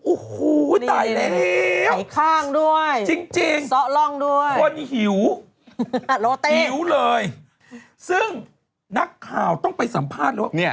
อูหูว้าไอค่างด้วยซะร่องด้วยคนหิวหิวเลยซึ่งนักข่าวต้องไปสัมภาษณ์